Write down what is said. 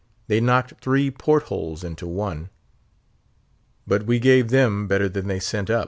They knocked three port holes into one. But we gave them better than they sent.